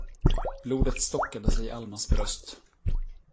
Blodet stockade sig i Almas bröst.